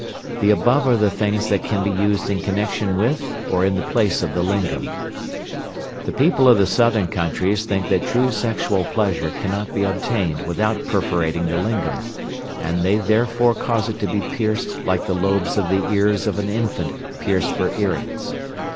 The above are the things that can be used in connection with or in the place of the lingam. The people of the southern countries think that true sexual pleasure cannot be obtained without perforating the lingam, and they therefore cause it to be pierced like the lobes of the ears of an infant pierced for earrings.